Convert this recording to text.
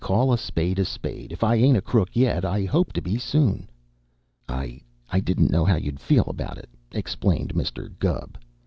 "Call a spade a spade. If I ain't a crook yet, I hope to be soon." "I didn't know how you'd feel about it," explained Mr. Gubb.